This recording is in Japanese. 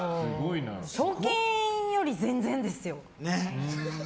賞金より全然ですよ。